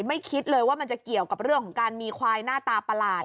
คิดเลยว่ามันจะเกี่ยวกับเรื่องของการมีควายหน้าตาประหลาด